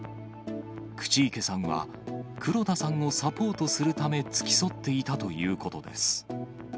口池さんは、黒田さんをサポートするため、付き添っていたということです。